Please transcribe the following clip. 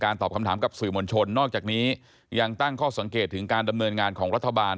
ตอบคำถามกับสื่อมวลชนนอกจากนี้ยังตั้งข้อสังเกตถึงการดำเนินงานของรัฐบาล